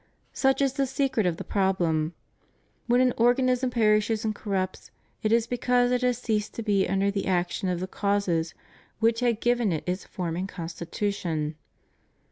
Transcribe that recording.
Such is the secret of the problem When an organism perishes and corrupts, it is because it had ceased to be under the action of the causes which had given it its form and constitution.